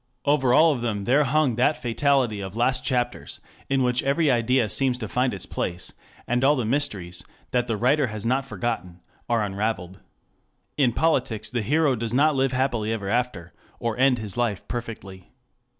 Over all of them there hung that fatality of last chapters, in which every idea seems to find its place, and all the mysteries, that the writer has not forgotten, are unravelled. In politics the hero does not live happily ever after, or end his life perfectly.